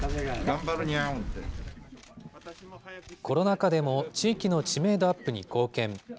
コロナ禍でも地域の知名度アップに貢献。